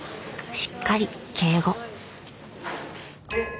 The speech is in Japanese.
しっかり敬語。